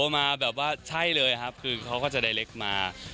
มาแบบว่าใช่เลยครับคือเขาก็จะได้เล็กมา